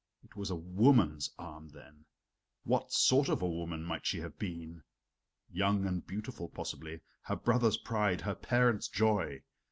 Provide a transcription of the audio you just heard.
It was a woman's arm, then what sort of a woman might she have been? Young and beautiful possibly her brothers' pride, her parents' joy.